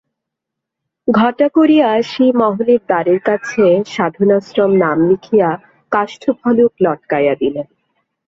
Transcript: ঘটা করিয়া সেই মহলের দ্বারের কাছে সাধনাশ্রম নাম লিখিয়া কাষ্ঠফলক লটকাইয়া দিলেন।